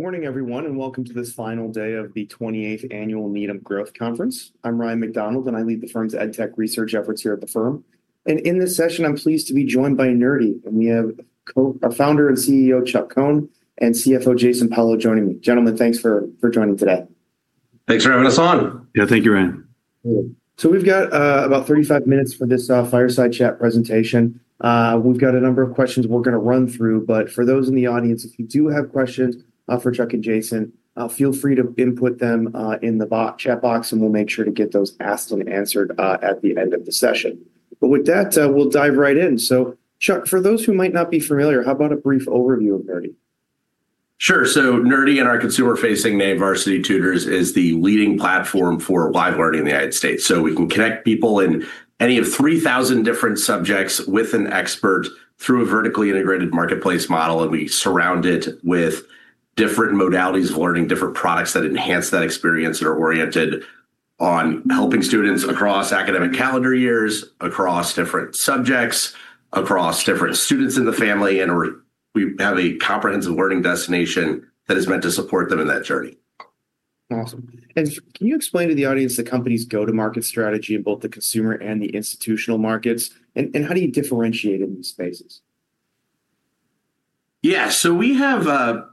Good morning, everyone, and welcome to this final day of the 28th Annual Needham Growth Conference. I'm Ryan MacDonald, and I lead the firm's EdTech research efforts here at the firm, and in this session, I'm pleased to be joined by Nerdy, and we have our founder and CEO, Chuck Cohn, and CFO, Jason Pello, joining me. Gentlemen, thanks for joining today. Thanks for having us on. Yeah, thank you, Ryan. So we've got about 35 minutes for this fireside chat presentation. We've got a number of questions we're going to run through. But for those in the audience, if you do have questions for Chuck and Jason, feel free to input them in the chat box, and we'll make sure to get those asked and answered at the end of the session. But with that, we'll dive right in. So Chuck, for those who might not be familiar, how about a brief overview of Nerdy? Sure. So Nerdy, in our consumer-facing name, Varsity Tutors, is the leading platform for live learning in the United States. So we can connect people in any of 3,000 different subjects with an expert through a vertically integrated marketplace model. And we surround it with different modalities of learning, different products that enhance that experience that are oriented on helping students across academic calendar years, across different subjects, across different students in the family. And we have a comprehensive learning destination that is meant to support them in that journey. Awesome. And can you explain to the audience the company's go-to-market strategy in both the consumer and the institutional markets? And how do you differentiate in these spaces? Yeah. So we have,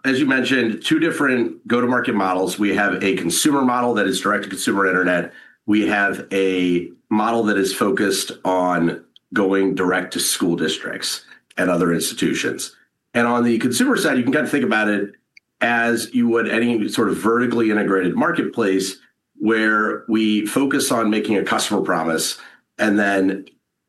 as you mentioned, two different go-to-market models. We have a consumer model that is direct-to-consumer internet. We have a model that is focused on going direct to school districts and other institutions. And on the consumer side, you can kind of think about it as you would any sort of vertically integrated marketplace where we focus on making a customer promise and then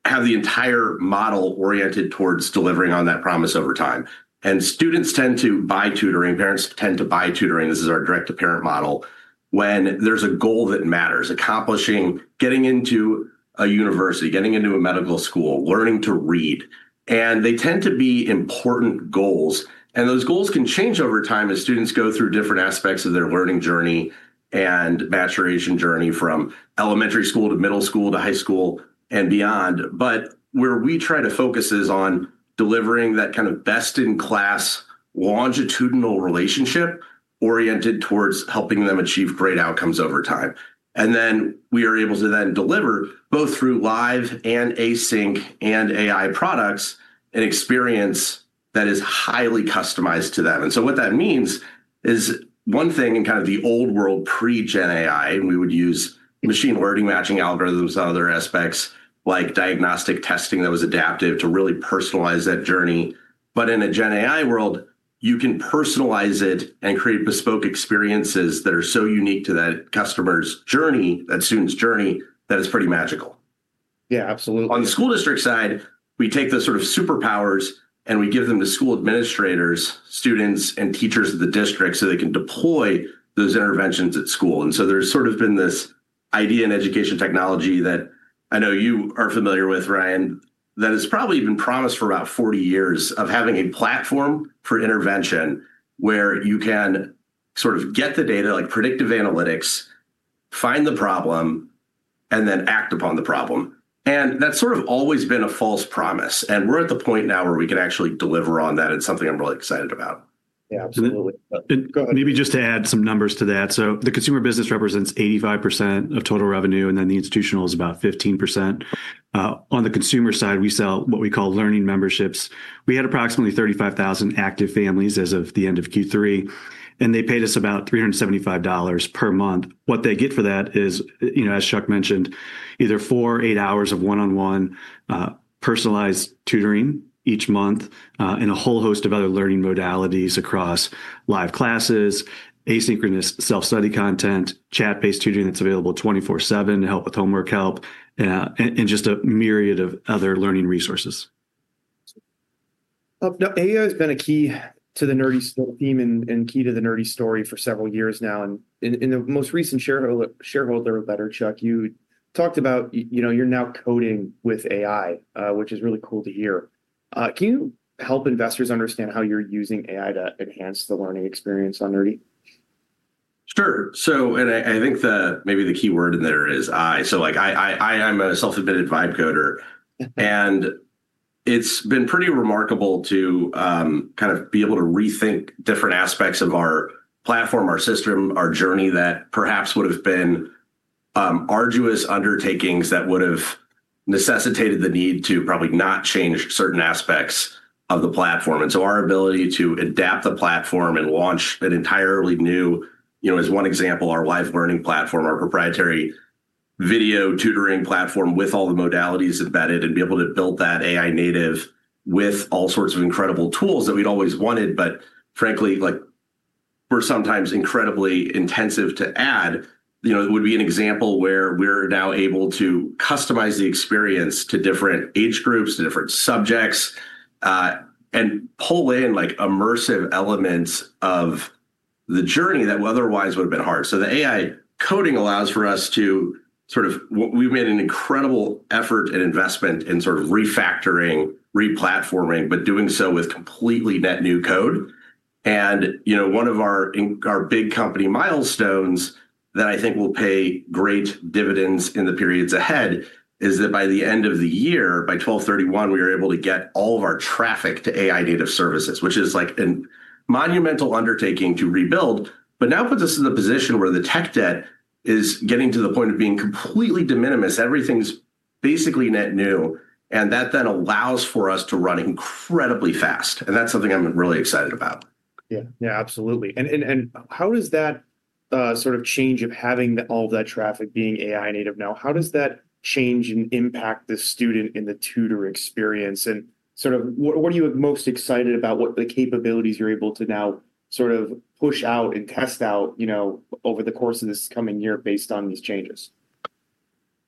have the entire model oriented towards delivering on that promise over time. And students tend to buy tutoring. Parents tend to buy tutoring. This is our direct-to-parent model when there's a goal that matters: accomplishing, getting into a university, getting into a medical school, learning to read. And they tend to be important goals. And those goals can change over time as students go through different aspects of their learning journey and maturation journey from elementary school to middle school to high school and beyond. But where we try to focus is on delivering that kind of best-in-class longitudinal relationship oriented towards helping them achieve great outcomes over time. And then we are able to then deliver both through live and async and AI products an experience that is highly customized to them. And so what that means is one thing in kind of the old world pre-Gen AI, and we would use machine learning matching algorithms on other aspects like diagnostic testing that was adaptive to really personalize that journey. But in a Gen AI world, you can personalize it and create bespoke experiences that are so unique to that customer's journey, that student's journey, that it's pretty magical. Yeah, absolutely. On the school district side, we take those sort of superpowers and we give them to school administrators, students, and teachers of the district so they can deploy those interventions at school. And so there's sort of been this idea in education technology that I know you are familiar with, Ryan, that has probably been promised for about 40 years of having a platform for intervention where you can sort of get the data, like predictive analytics, find the problem, and then act upon the problem. And that's sort of always been a false promise. And we're at the point now where we can actually deliver on that. It's something I'm really excited about. Yeah, absolutely. And maybe just to add some numbers to that. So the consumer business represents 85% of total revenue, and then the institutional is about 15%. On the consumer side, we sell what we call Learning Memberships. We had approximately 35,000 active families as of the end of Q3, and they paid us about $375 per month. What they get for that is, as Chuck mentioned, either four or eight hours of one-on-one personalized tutoring each month and a whole host of other learning modalities across live classes, asynchronous self-study content, chat-based tutoring that's available 24/7 to help with homework help, and just a myriad of other learning resources. AI has been a key to the Nerdy school theme and key to the Nerdy story for several years now, and in the most recent shareholder letter, Chuck, you talked about you're now coding with AI, which is really cool to hear. Can you help investors understand how you're using AI to enhance the learning experience on Nerdy? Sure. So I think maybe the key word in there is I. So I'm a self-admitted vibe coder. And it's been pretty remarkable to kind of be able to rethink different aspects of our platform, our system, our journey that perhaps would have been arduous undertakings that would have necessitated the need to probably not change certain aspects of the platform. And so our ability to adapt the platform and launch an entirely new, as one example, our live learning platform, our proprietary video tutoring platform with all the modalities embedded, and be able to build that AI native with all sorts of incredible tools that we'd always wanted, but frankly, were sometimes incredibly intensive to add. It would be an example where we're now able to customize the experience to different age groups, to different subjects, and pull in immersive elements of the journey that otherwise would have been hard. So the AI coding allows for us to sort of we've made an incredible effort and investment in sort of refactoring, replatforming, but doing so with completely net new code. And one of our big company milestones that I think will pay great dividends in the periods ahead is that by the end of the year, by 12/31, we were able to get all of our traffic to AI native services, which is like a monumental undertaking to rebuild, but now puts us in the position where the tech debt is getting to the point of being completely de minimis. Everything's basically net new. And that then allows for us to run incredibly fast. That's something I'm really excited about. Yeah, yeah, absolutely. And how does that sort of change of having all of that traffic being AI native now, how does that change and impact the student and the tutor experience? And sort of what are you most excited about, what the capabilities you're able to now sort of push out and test out over the course of this coming year based on these changes?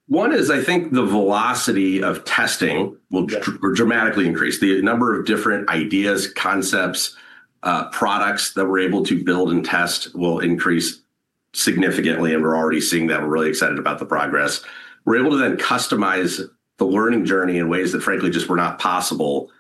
One is I think the velocity of testing will dramatically increase. The number of different ideas, concepts, products that we're able to build and test will increase significantly. And we're already seeing that. We're really excited about the progress. We're able to then customize the learning journey in ways that, frankly, just were not possible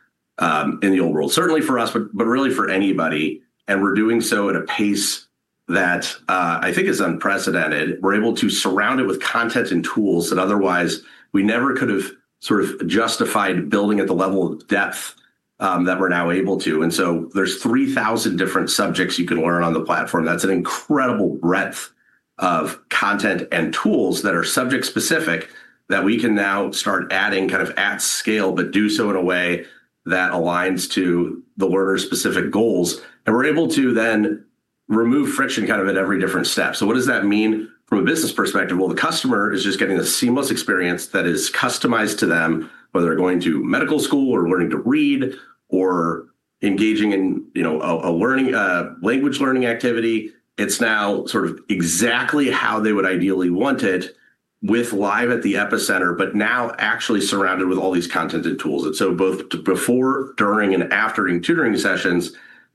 in the old world, certainly for us, but really for anybody. And we're doing so at a pace that I think is unprecedented. We're able to surround it with content and tools that otherwise we never could have sort of justified building at the level of depth that we're now able to. And so there's 3,000 different subjects you can learn on the platform. That's an incredible breadth of content and tools that are subject-specific that we can now start adding kind of at scale, but do so in a way that aligns to the learner-specific goals, and we're able to then remove friction kind of at every different step, so what does that mean from a business perspective? Well, the customer is just getting a seamless experience that is customized to them, whether they're going to medical school or learning to read or engaging in a language learning activity. It's now sort of exactly how they would ideally want it with live at the epicenter, but now actually surrounded with all these content and tools, and so both before, during, and after tutoring sessions,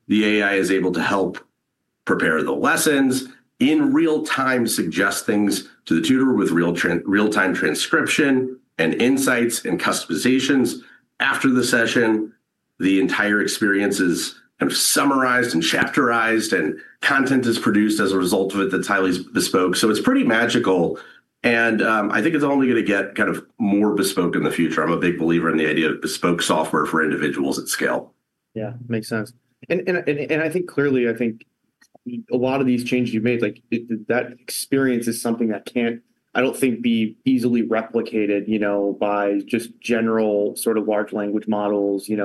the AI is able to help prepare the lessons in real time, suggest things to the tutor with real-time transcription and insights and customizations. After the session, the entire experience is kind of summarized and chapterized, and content is produced as a result of it that's highly bespoke. So it's pretty magical. And I think it's only going to get kind of more bespoke in the future. I'm a big believer in the idea of bespoke software for individuals at scale. Yeah, makes sense, and I think clearly, I think a lot of these changes you've made, that experience is something that can't, I don't think, be easily replicated by just general sort of large language models, the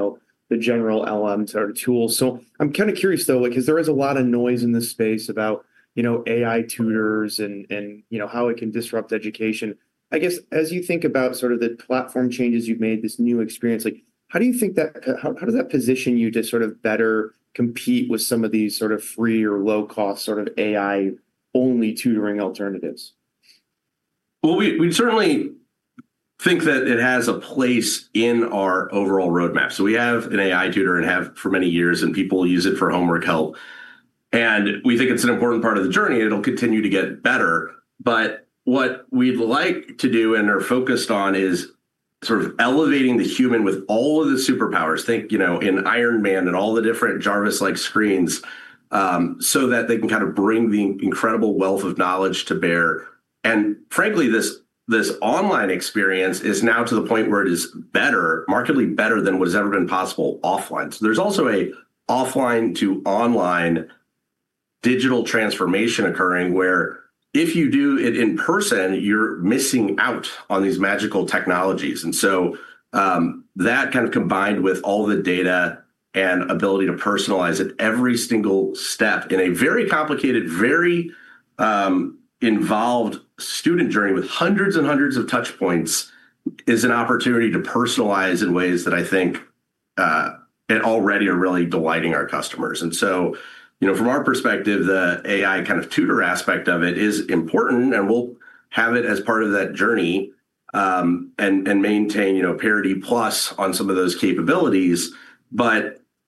general LLMs or tools. So I'm kind of curious, though, because there is a lot of noise in this space about AI Tutors and how it can disrupt education. I guess as you think about sort of the platform changes you've made, this new experience, how do you think that how does that position you to sort of better compete with some of these sort of free or low-cost sort of AI-only tutoring alternatives? Well, we certainly think that it has a place in our overall roadmap. So we have an AI Tutor and have for many years, and people use it for homework help. And we think it's an important part of the journey. It'll continue to get better. But what we'd like to do and are focused on is sort of elevating the human with all of the superpowers, think you know in Iron Man and all the different Jarvis-like screens, so that they can kind of bring the incredible wealth of knowledge to bear. And frankly, this online experience is now to the point where it is better, markedly better than what has ever been possible offline. So there's also an offline to online digital transformation occurring where if you do it in person, you're missing out on these magical technologies. That kind of combined with all the data and ability to personalize at every single step in a very complicated, very involved student journey with hundreds and hundreds of touch points is an opportunity to personalize in ways that I think already are really delighting our customers. From our perspective, the AI kind of tutor aspect of it is important, and we'll have it as part of that journey and maintain parity plus on some of those capabilities.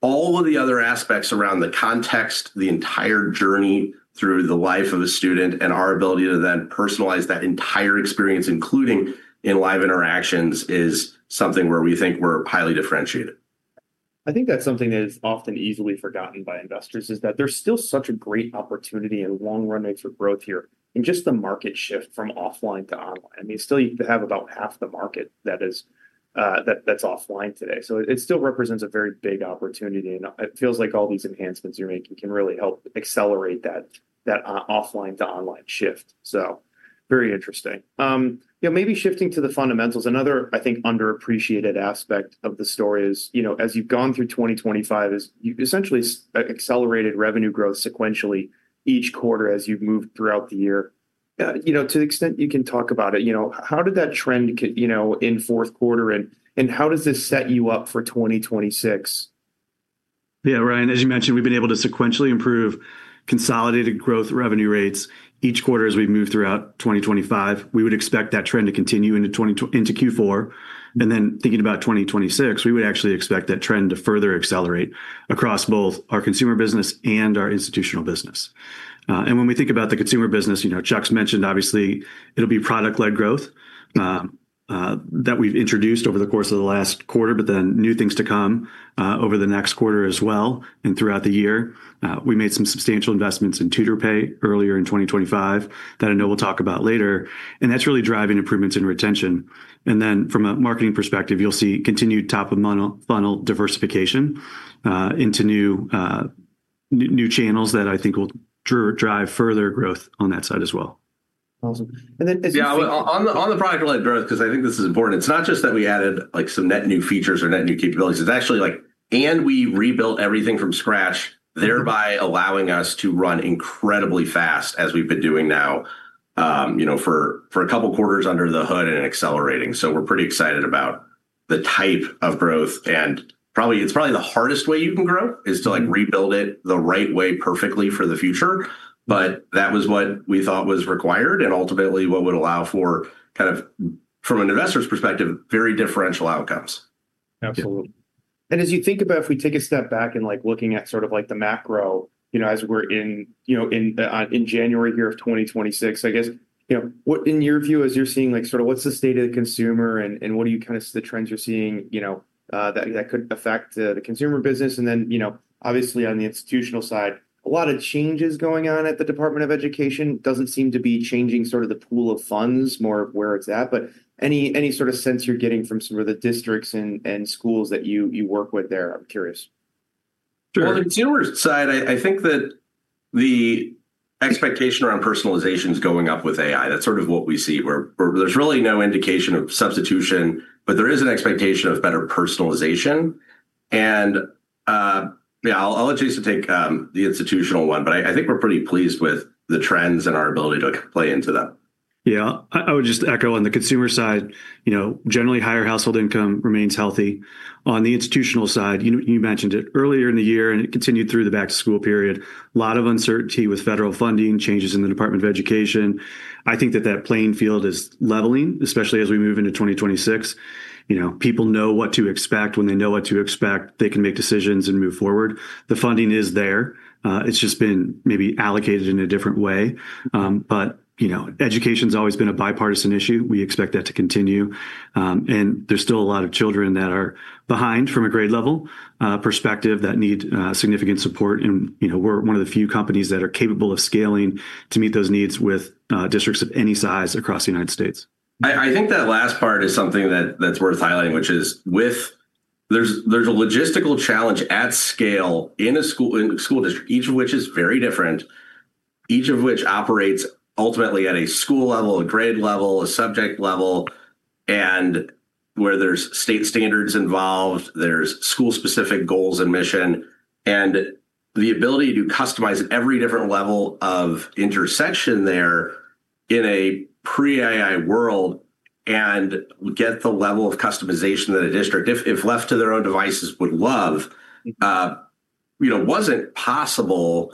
All of the other aspects around the context, the entire journey through the life of a student and our ability to then personalize that entire experience, including in live interactions, is something where we think we're highly differentiated. I think that's something that is often easily forgotten by investors is that there's still such a great opportunity and long-run exit growth here in just the market shift from offline to online. I mean, still you have about half the market that's offline today. So it still represents a very big opportunity. And it feels like all these enhancements you're making can really help accelerate that offline to online shift. So very interesting. Maybe shifting to the fundamentals, another I think underappreciated aspect of the story is as you've gone through 2025 is you essentially accelerated revenue growth sequentially each quarter as you've moved throughout the year. To the extent you can talk about it, how did that trend in fourth quarter and how does this set you up for 2026? Yeah, Ryan, as you mentioned, we've been able to sequentially improve consolidated growth revenue rates each quarter as we move throughout 2025. We would expect that trend to continue into Q4, and then thinking about 2026, we would actually expect that trend to further accelerate across both our consumer business and our institutional business, and when we think about the consumer business, Chuck's mentioned, obviously, it'll be product-led growth that we've introduced over the course of the last quarter, but then new things to come over the next quarter as well and throughout the year. We made some substantial investments in tutor pay earlier in 2025 that I know we'll talk about later, and that's really driving improvements in retention, and then from a marketing perspective, you'll see continued top-of-funnel diversification into new channels that I think will drive further growth on that side as well. Awesome. And then. Yeah, on the product-led growth, because I think this is important, it's not just that we added some net new features or net new capabilities. It's actually like we rebuilt everything from scratch, thereby allowing us to run incredibly fast as we've been doing now for a couple of quarters under the hood and accelerating, so we're pretty excited about the type of growth, and it's probably the hardest way you can grow is to rebuild it the right way perfectly for the future, but that was what we thought was required and ultimately what would allow for kind of from an investor's perspective, very differential outcomes. Absolutely. And as you think about if we take a step back and looking at sort of like the macro as we're in January here of 2026, I guess what in your view, as you're seeing sort of what's the state of the consumer and what are you kind of the trends you're seeing that could affect the consumer business? And then obviously on the institutional side, a lot of changes going on at the Department of Education doesn't seem to be changing sort of the pool of funds more of where it's at. But any sort of sense you're getting from some of the districts and schools that you work with there, I'm curious. On the consumer side, I think that the expectation around personalization is going up with AI. That's sort of what we see where there's really no indication of substitution, but there is an expectation of better personalization. Yeah, I'll let Jason take the institutional one, but I think we're pretty pleased with the trends and our ability to play into that. Yeah, I would just echo on the consumer side, generally higher household income remains healthy. On the institutional side, you mentioned it earlier in the year and it continued through the back-to-school period, a lot of uncertainty with federal funding, changes in the U.S. Department of Education. I think that that playing field is leveling, especially as we move into 2026. People know what to expect. When they know what to expect, they can make decisions and move forward. The funding is there. It's just been maybe allocated in a different way, but education's always been a bipartisan issue. We expect that to continue, and there's still a lot of children that are behind from a grade level perspective that need significant support, and we're one of the few companies that are capable of scaling to meet those needs with districts of any size across the United States. I think that last part is something that's worth highlighting, which is there's a logistical challenge at scale in a school district, each of which is very different, each of which operates ultimately at a school level, a grade level, a subject level, and where there's state standards involved, there's school-specific goals and mission, and the ability to customize every different level of intersection there in a pre-AI world and get the level of customization that a district, if left to their own devices, would love, wasn't possible,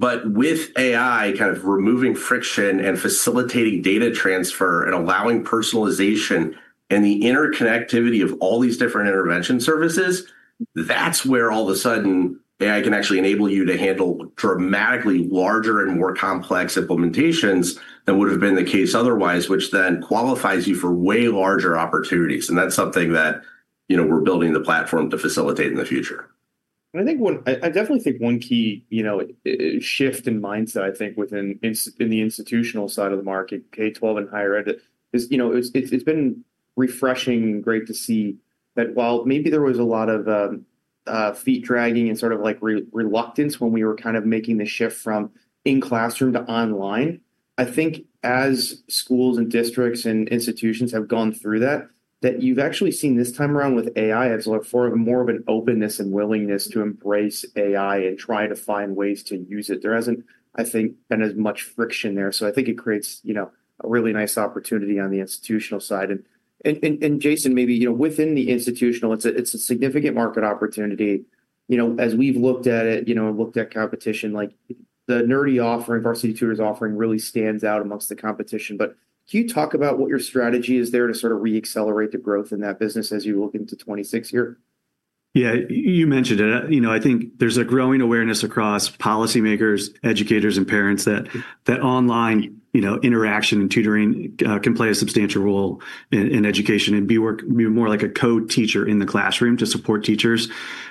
but with AI kind of removing friction and facilitating data transfer and allowing personalization and the interconnectivity of all these different intervention services, that's where all of a sudden AI can actually enable you to handle dramatically larger and more complex implementations than would have been the case otherwise, which then qualifies you for way larger opportunities. That's something that we're building the platform to facilitate in the future. I think I definitely think one key shift in mindset, I think, within the institutional side of the market, K-12 and higher ed, is it's been refreshing and great to see that while maybe there was a lot of feet dragging and sort of like reluctance when we were kind of making the shift from in-classroom to online. I think as schools and districts and institutions have gone through that, that you've actually seen this time around with AI, it's more of an openness and willingness to embrace AI and try to find ways to use it. There hasn't, I think, been as much friction there. So I think it creates a really nice opportunity on the institutional side. And Jason, maybe within the institutional, it's a significant market opportunity. As we've looked at it, looked at competition, the Nerdy offering, Varsity Tutors offering really stands out amongst the competition. But can you talk about what your strategy is there to sort of re-accelerate the growth in that business as you look into 2026 here? Yeah, you mentioned it. I think there's a growing awareness across policymakers, educators, and parents that online interaction and tutoring can play a substantial role in education and be more like a co-teacher in the classroom to support teachers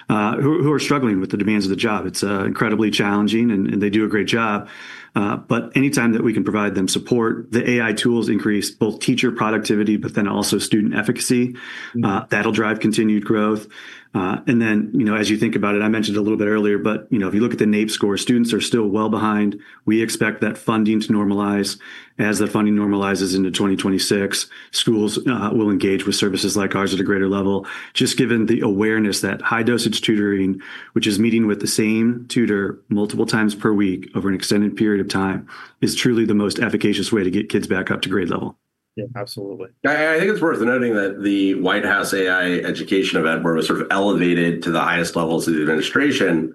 who are struggling with the demands of the job. It's incredibly challenging, and they do a great job. But anytime that we can provide them support, the AI tools increase both teacher productivity, but then also student efficacy. That'll drive continued growth. And then as you think about it, I mentioned it a little bit earlier, but if you look at the NAEP score, students are still well behind. We expect that funding to normalize. As the funding normalizes into 2026, schools will engage with services like ours at a greater level, just given the awareness that high-dosage tutoring, which is meeting with the same tutor multiple times per week over an extended period of time, is truly the most efficacious way to get kids back up to grade level. Yeah, absolutely. I think it's worth noting that the White House AI education event, where it was sort of elevated to the highest levels of the administration,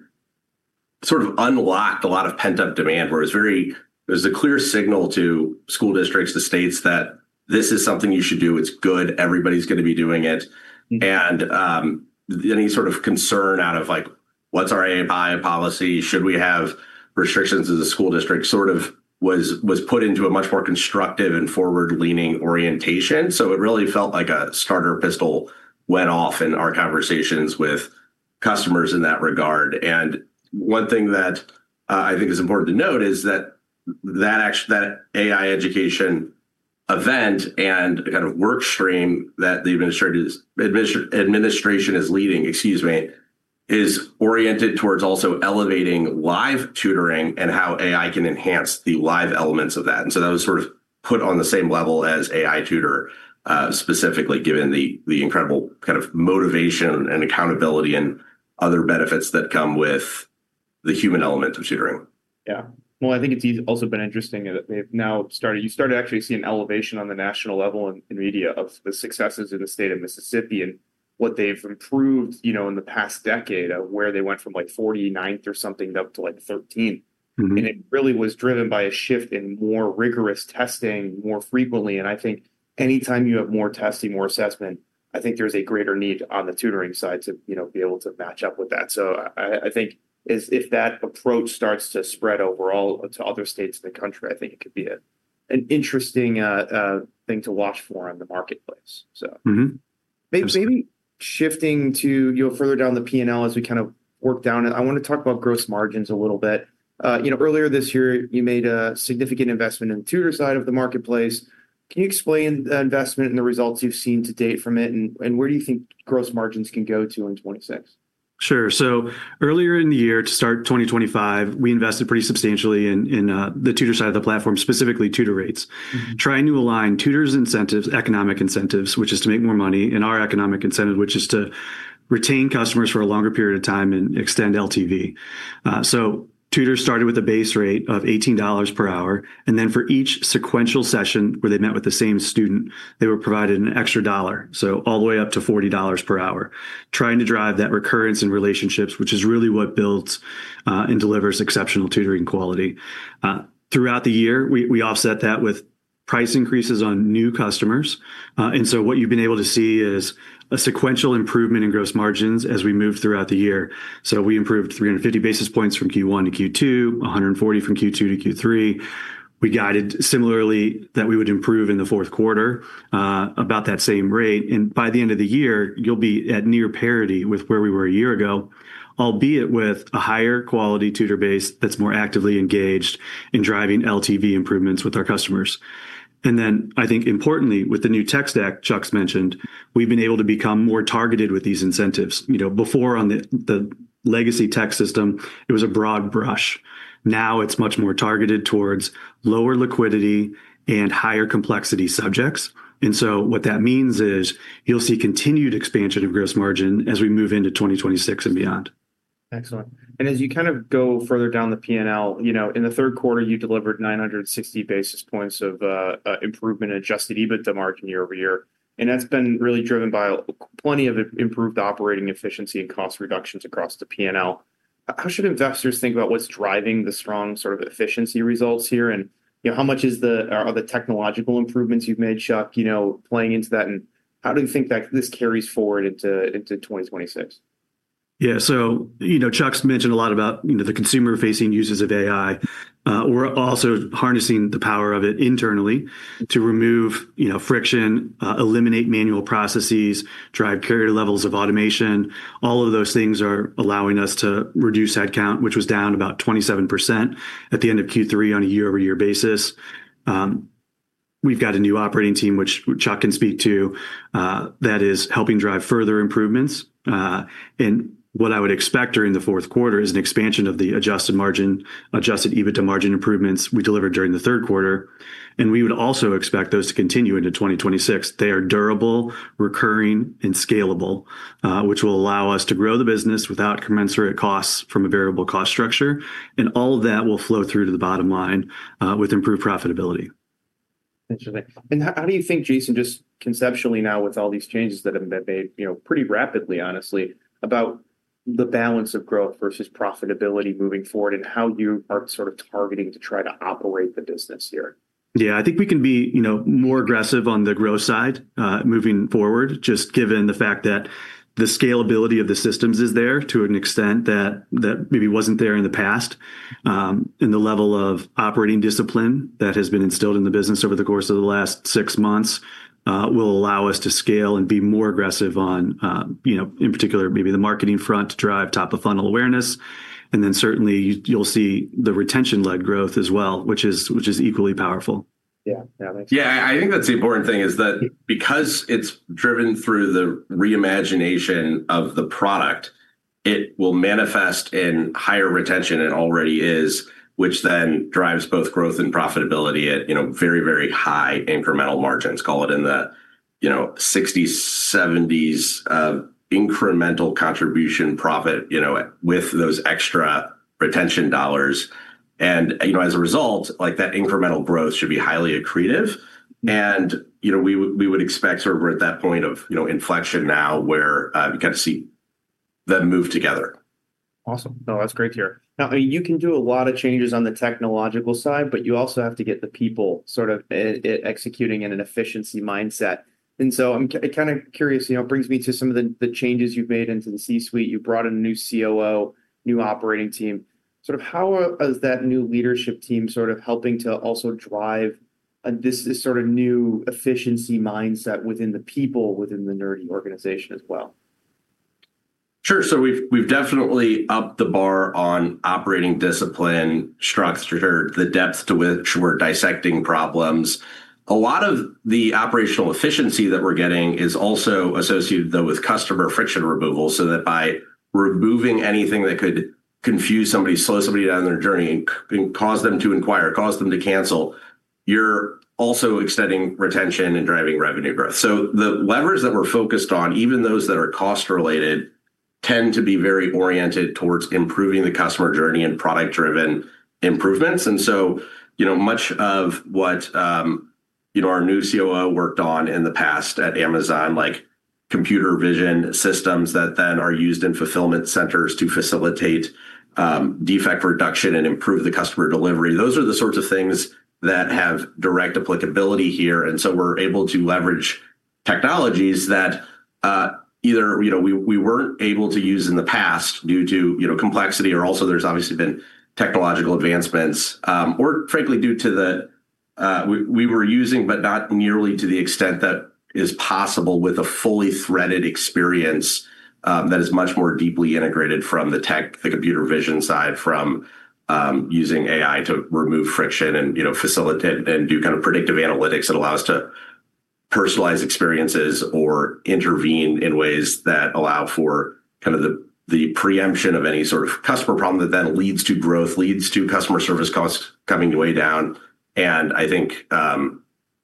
sort of unlocked a lot of pent-up demand, where there was a clear signal to school districts, the states that this is something you should do. It's good. Everybody's going to be doing it. And any sort of concern out of like, what's our AI policy? Should we have restrictions as a school district? Sort of was put into a much more constructive and forward-leaning orientation. So it really felt like a starter pistol went off in our conversations with customers in that regard. One thing that I think is important to note is that that AI education event and the kind of workstream that the administration is leading, excuse me, is oriented towards also elevating live tutoring and how AI can enhance the live elements of that. So that was sort of put on the same level as AI tutor, specifically given the incredible kind of motivation and accountability and other benefits that come with the human element of tutoring. Yeah. Well, I think it's also been interesting that they've now started actually seeing an elevation on the national level in media of the successes in the state of Mississippi and what they've improved in the past decade of where they went from like 49th or something up to like 13th. And it really was driven by a shift in more rigorous testing more frequently. And I think anytime you have more testing, more assessment, I think there's a greater need on the tutoring side to be able to match up with that. So I think if that approach starts to spread overall to other states in the country, I think it could be an interesting thing to watch for on the marketplace. So maybe shifting to further down the P&L as we kind of work down it, I want to talk about gross margins a little bit. Earlier this year, you made a significant investment in the tutor side of the marketplace. Can you explain the investment and the results you've seen to date from it, and where do you think gross margins can go to in 2026? Sure. So earlier in the year, to start 2025, we invested pretty substantially in the tutor side of the platform, specifically tutor rates, trying to align tutors' incentives, economic incentives, which is to make more money, and our economic incentive, which is to retain customers for a longer period of time and extend LTV. So tutors started with a base rate of $18 per hour. And then for each sequential session where they met with the same student, they were provided an extra dollar, so all the way up to $40 per hour, trying to drive that recurrence in relationships, which is really what builds and delivers exceptional tutoring quality. Throughout the year, we offset that with price increases on new customers. And so what you've been able to see is a sequential improvement in gross margins as we move throughout the year. So we improved 350 basis points from Q1 to Q2, 140 from Q2 to Q3. We guided similarly that we would improve in the fourth quarter about that same rate. And by the end of the year, you'll be at near parity with where we were a year ago, albeit with a higher quality tutor base that's more actively engaged in driving LTV improvements with our customers. And then I think importantly, with the new tech stack Chuck's mentioned, we've been able to become more targeted with these incentives. Before on the legacy tech system, it was a broad brush. Now it's much more targeted towards lower liquidity and higher complexity subjects. And so what that means is you'll see continued expansion of gross margin as we move into 2026 and beyond. Excellent. And as you kind of go further down the P&L, in the third quarter, you delivered 960 basis points of improvement adjusted EBITDA margin year over year. And that's been really driven by plenty of improved operating efficiency and cost reductions across the P&L. How should investors think about what's driving the strong sort of efficiency results here? And how much are the technological improvements you've made, Chuck, playing into that? And how do you think that this carries forward into 2026? Yeah, so Chuck's mentioned a lot about the consumer-facing uses of AI. We're also harnessing the power of it internally to remove friction, eliminate manual processes, drive higher levels of automation. All of those things are allowing us to reduce headcount, which was down about 27% at the end of Q3 on a year-over-year basis. We've got a new operating team, which Chuck can speak to, that is helping drive further improvements, and what I would expect during the fourth quarter is an expansion of the Adjusted EBITDA margin improvements we delivered during the third quarter. We would also expect those to continue into 2026. They are durable, recurring, and scalable, which will allow us to grow the business without commensurate costs from a variable cost structure, and all of that will flow through to the bottom line with improved profitability. Interesting, and how do you think, Jason, just conceptually now with all these changes that have been made pretty rapidly, honestly, about the balance of growth versus profitability moving forward and how you are sort of targeting to try to operate the business here? Yeah, I think we can be more aggressive on the growth side moving forward, just given the fact that the scalability of the systems is there to an extent that maybe wasn't there in the past. And the level of operating discipline that has been instilled in the business over the course of the last six months will allow us to scale and be more aggressive on, in particular, maybe the marketing front to drive top-of-funnel awareness. And then certainly you'll see the retention-led growth as well, which is equally powerful. Yeah. Yeah, I think that's the important thing is that because it's driven through the reimagination of the product, it will manifest in higher retention and already is, which then drives both growth and profitability at very, very high incremental margins, call it in the 60s-70s% of incremental contribution profit with those extra retention dollars, and as a result, that incremental growth should be highly accretive, and we would expect sort of, we're at that point of inflection now where you kind of see them move together. Awesome. No, that's great to hear. Now, you can do a lot of changes on the technological side, but you also have to get the people sort of executing in an efficiency mindset, and so I'm kind of curious, it brings me to some of the changes you've made into the C-suite. You brought in a new COO, new operating team. Sort of how is that new leadership team sort of helping to also drive this sort of new efficiency mindset within the people within the Nerdy organization as well? Sure. So we've definitely upped the bar on operating discipline, structured the depth to which we're dissecting problems. A lot of the operational efficiency that we're getting is also associated, though, with customer friction removal. So that by removing anything that could confuse somebody, slow somebody down their journey, and cause them to inquire, cause them to cancel, you're also extending retention and driving revenue growth. So the levers that we're focused on, even those that are cost-related, tend to be very oriented towards improving the customer journey and product-driven improvements. And so much of what our new COO worked on in the past at Amazon, like computer vision systems that then are used in fulfillment centers to facilitate defect reduction and improve the customer delivery. Those are the sorts of things that have direct applicability here. And so we're able to leverage technologies that either we weren't able to use in the past due to complexity, or also there's obviously been technological advancements, or frankly, due to the we were using, but not nearly to the extent that is possible with a fully threaded experience that is much more deeply integrated from the tech, the computer vision side from using AI to remove friction and facilitate and do kind of predictive analytics that allow us to personalize experiences or intervene in ways that allow for kind of the preemption of any sort of customer problem that then leads to growth, leads to customer service costs coming way down. And I think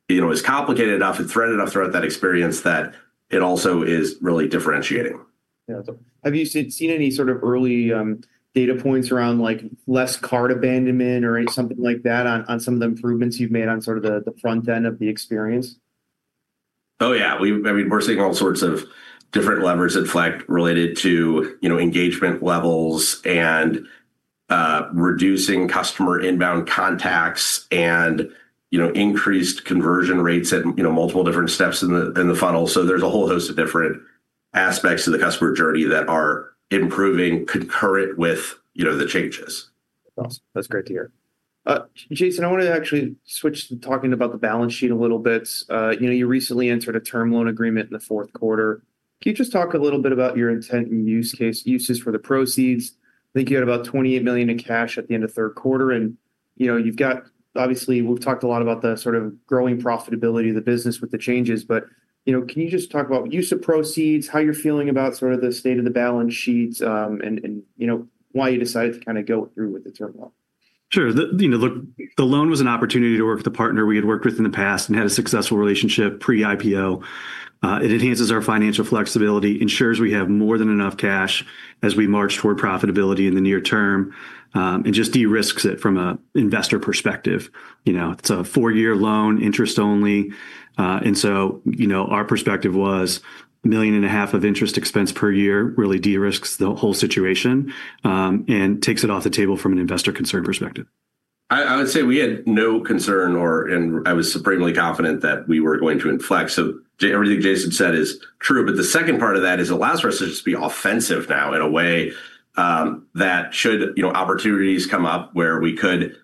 it's complicated enough, it's threaded enough throughout that experience that it also is really differentiating. Yeah. Have you seen any sort of early data points around less cart abandonment or something like that on some of the improvements you've made on sort of the front end of the experience? Oh, yeah. I mean, we're seeing all sorts of different levers at Fleck related to engagement levels and reducing customer inbound contacts and increased conversion rates at multiple different steps in the funnel. So there's a whole host of different aspects of the customer journey that are improving concurrent with the changes. Awesome. That's great to hear. Jason, I want to actually switch to talking about the balance sheet a little bit. You recently entered a term loan agreement in the fourth quarter. Can you just talk a little bit about your intent and use case, uses for the proceeds? I think you had about $28 million in cash at the end of third quarter. And you've got, obviously, we've talked a lot about the sort of growing profitability of the business with the changes, but can you just talk about use of proceeds, how you're feeling about sort of the state of the balance sheets, and why you decided to kind of go through with the term loan? Sure. Look, the loan was an opportunity to work with a partner we had worked with in the past and had a successful relationship pre-IPO. It enhances our financial flexibility, ensures we have more than enough cash as we march toward profitability in the near term, and just de-risks it from an investor perspective. It's a four-year loan, interest only, and so our perspective was $1.5 million of interest expense per year really de-risks the whole situation and takes it off the table from an investor concern perspective. I would say we had no concern, and I was supremely confident that we were going to inflect. So everything Jason said is true. But the second part of that is it allows us to just be offensive now in a way that, should opportunities come up where we could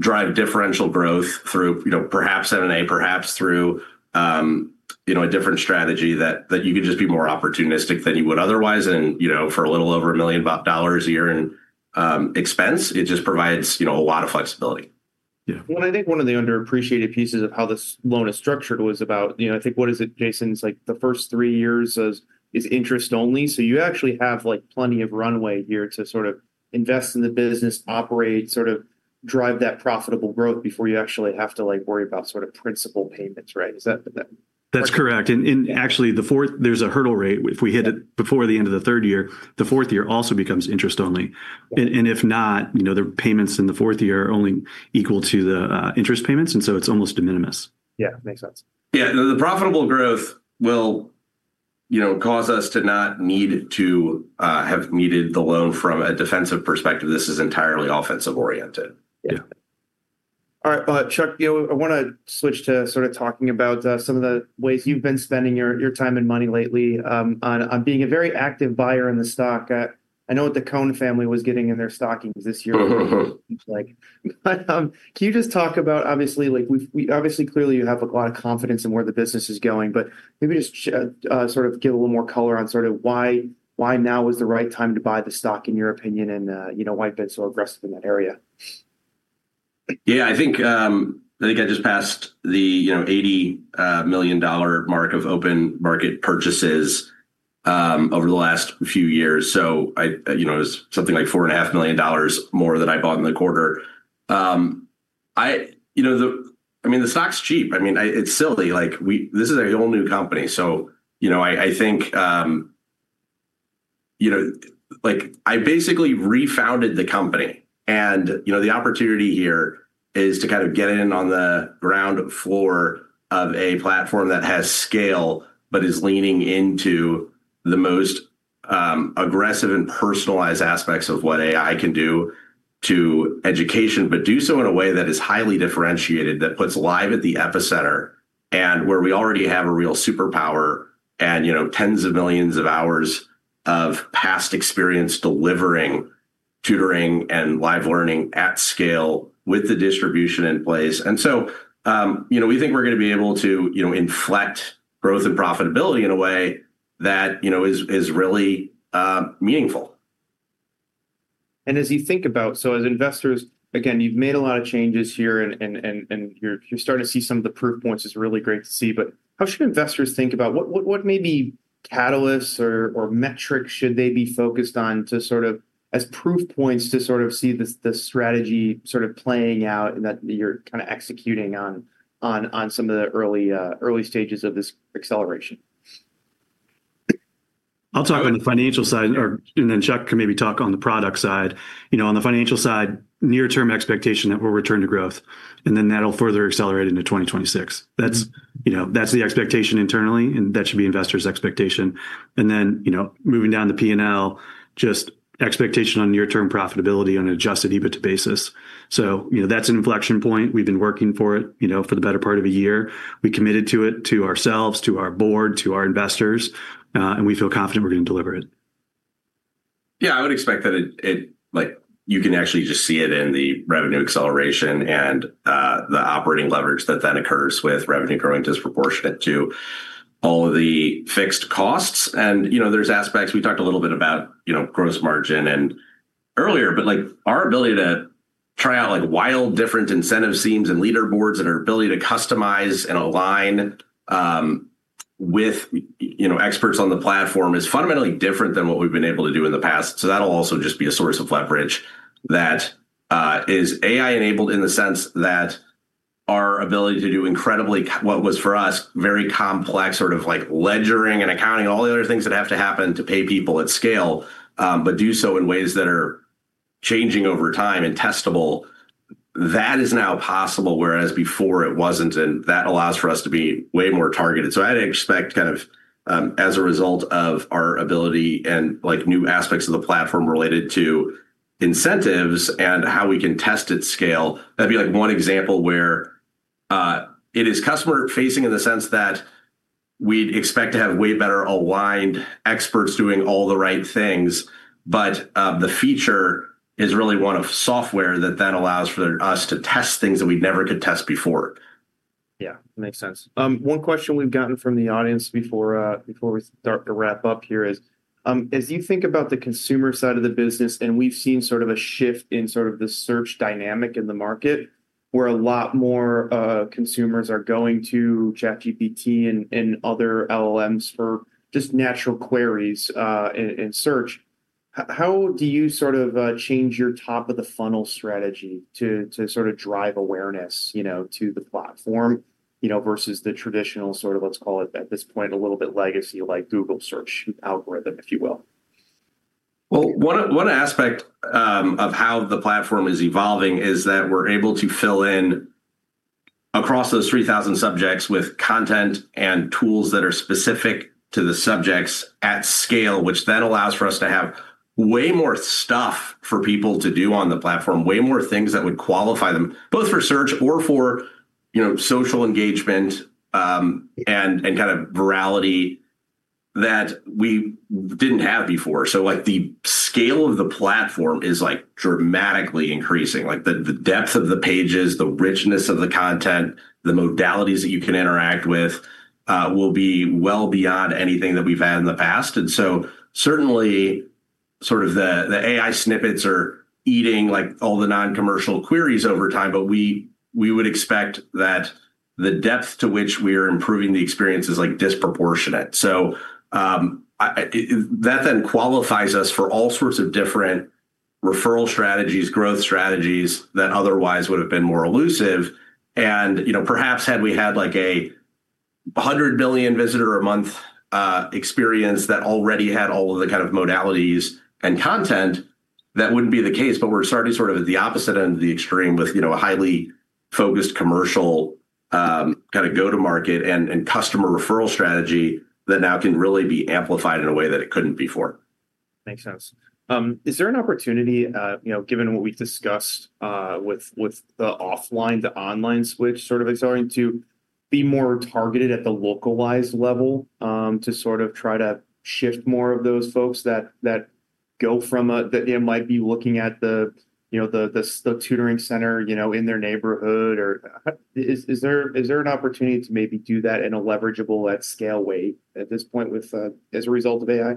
drive differential growth through perhaps M&A, perhaps through a different strategy, you could just be more opportunistic than you would otherwise and for a little over $1 million a year in expense. It just provides a lot of flexibility. Yeah. Well, and I think one of the underappreciated pieces of how this loan is structured was about, I think what is it, Jason, it's like the first three years is interest only. So you actually have plenty of runway here to sort of invest in the business, operate, sort of drive that profitable growth before you actually have to worry about sort of principal payments, right? Is that? That's correct. And actually, there's a hurdle rate. If we hit it before the end of the third year, the fourth year also becomes interest only. And if not, the payments in the fourth year are only equal to the interest payments. And so it's almost de minimis. Yeah. Makes sense. Yeah. The profitable growth will cause us to not need to have needed the loan from a defensive perspective. This is entirely offensive-oriented. Yeah. All right. Chuck, I want to switch to sort of talking about some of the ways you've been spending your time and money lately on being a very active buyer in the stock. I know what the Cohn family was getting in their stockings this year. Can you just talk about, obviously, clearly, you have a lot of confidence in where the business is going, but maybe just sort of give a little more color on sort of why now is the right time to buy the stock, in your opinion, and why you've been so aggressive in that area? Yeah. I think I just passed the $80 million mark of open market purchases over the last few years. So it was something like $4.5 million more than I bought in the quarter. I mean, the stock's cheap. I mean, it's silly. This is a whole new company. So I think I basically refounded the company. And the opportunity here is to kind of get in on the ground floor of a platform that has scale but is leaning into the most aggressive and personalized aspects of what AI can do to education, but do so in a way that is highly differentiated, that puts live at the epicenter and where we already have a real superpower and tens of millions of hours of past experience delivering tutoring and live learning at scale with the distribution in place. And so we think we're going to be able to inflect growth and profitability in a way that is really meaningful. And as you think about, so as investors, again, you've made a lot of changes here and you're starting to see some of the proof points. It's really great to see. But how should investors think about what may be catalysts or metrics should they be focused on to sort of as proof points to sort of see the strategy sort of playing out and that you're kind of executing on some of the early stages of this acceleration? I'll talk on the financial side, and then Chuck can maybe talk on the product side. On the financial side, near-term expectation that we'll return to growth, and then that'll further accelerate into 2026. That's the expectation internally, and that should be investors' expectation. And then moving down the P&L, just expectation on near-term profitability on an Adjusted EBITDA basis. So that's an inflection point. We've been working for it for the better part of a year. We committed to it to ourselves, to our board, to our investors, and we feel confident we're going to deliver it. Yeah. I would expect that you can actually just see it in the revenue acceleration and the operating leverage that then occurs with revenue growing disproportionate to all of the fixed costs. And there's aspects we talked a little bit about gross margin and earlier, but our ability to try out wild different incentive schemes and leaderboards and our ability to customize and align with experts on the platform is fundamentally different than what we've been able to do in the past. So that'll also just be a source of leverage that is AI-enabled in the sense that our ability to do incredibly, what was for us, very complex sort of ledgering and accounting and all the other things that have to happen to pay people at scale, but do so in ways that are changing over time and testable, that is now possible, whereas before it wasn't. That allows for us to be way more targeted. I'd expect kind of as a result of our ability and new aspects of the platform related to incentives and how we can test at scale, that'd be like one example where it is customer-facing in the sense that we'd expect to have way better aligned experts doing all the right things, but the feature is really one of software that then allows for us to test things that we never could test before. Yeah. Makes sense. One question we've gotten from the audience before we start to wrap up here is, as you think about the consumer side of the business, and we've seen sort of a shift in sort of the search dynamic in the market where a lot more consumers are going to ChatGPT and other LLMs for just natural queries and search. How do you sort of change your top-of-the-funnel strategy to sort of drive awareness to the platform versus the traditional sort of, let's call it at this point, a little bit legacy like Google search algorithm, if you will? One aspect of how the platform is evolving is that we're able to fill in across those 3,000 subjects with content and tools that are specific to the subjects at scale, which then allows for us to have way more stuff for people to do on the platform, way more things that would qualify them, both for search or for social engagement and kind of virality that we didn't have before. The scale of the platform is dramatically increasing. The depth of the pages, the richness of the content, the modalities that you can interact with will be well beyond anything that we've had in the past. Certainly, sort of the AI snippets are eating all the non-commercial queries over time, but we would expect that the depth to which we are improving the experience is disproportionate. So that then qualifies us for all sorts of different referral strategies, growth strategies that otherwise would have been more elusive, and perhaps had we had a 100 million visitors a month experience that already had all of the kind of modalities and content, that wouldn't be the case, but we're starting sort of at the opposite end of the extreme with a highly focused commercial kind of go-to-market and customer referral strategy that now can really be amplified in a way that it couldn't before. Makes sense. Is there an opportunity, given what we've discussed with the offline, the online switch sort of accelerating to be more targeted at the localized level to sort of try to shift more of those folks that go from that might be looking at the tutoring center in their neighborhood, or is there an opportunity to maybe do that in a leverageable at scale way at this point as a result of AI?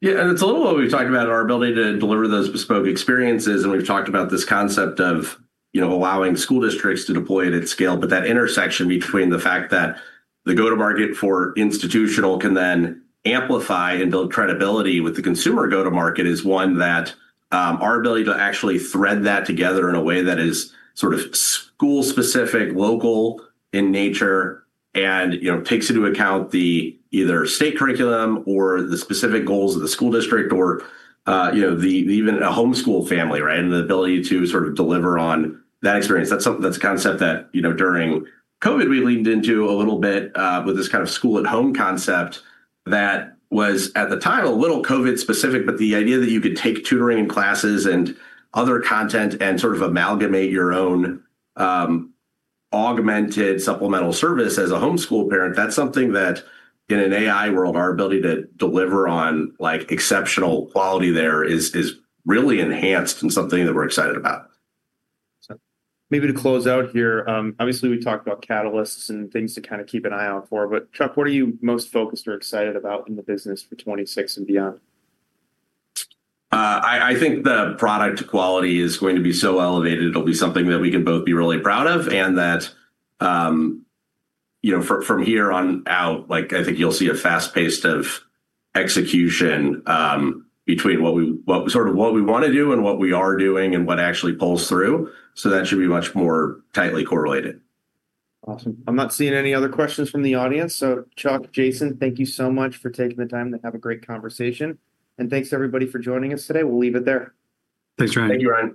Yeah. And it's a little what we've talked about our ability to deliver those bespoke experiences. And we've talked about this concept of allowing school districts to deploy it at scale. But that intersection between the fact that the go-to-market for institutional can then amplify and build credibility with the consumer go-to-market is one that our ability to actually thread that together in a way that is sort of school-specific, local in nature, and takes into account the either state curriculum or the specific goals of the school district or even a homeschool family, right, and the ability to sort of deliver on that experience. That's a concept that during COVID, we leaned into a little bit with this kind of school-at-home concept that was at the time a little COVID-specific, but the idea that you could take tutoring and classes and other content and sort of amalgamate your own augmented supplemental service as a homeschool parent, that's something that in an AI world, our ability to deliver on exceptional quality there is really enhanced and something that we're excited about. Maybe to close out here, obviously, we talked about catalysts and things to kind of keep an eye out for. But Chuck, what are you most focused or excited about in the business for 2026 and beyond? I think the product quality is going to be so elevated. It'll be something that we can both be really proud of and that from here on out, I think you'll see a fast pace of execution between sort of what we want to do and what we are doing and what actually pulls through, so that should be much more tightly correlated. Awesome. I'm not seeing any other questions from the audience. So Chuck, Jason, thank you so much for taking the time to have a great conversation. And thanks, everybody, for joining us today. We'll leave it there. Thanks, Ryan. Thank you.